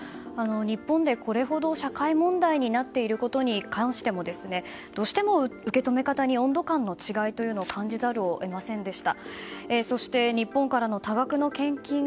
日本でこれほど社会問題になっていることに関してもどうしても受け止め方に温度観の違いを感じざるを得ませんでした。